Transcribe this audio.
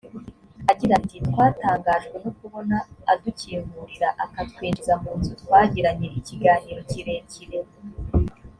agira ati twatangajwe no kubona adukingurira akatwinjiza mu nzu twagiranye ikiganiro kirekire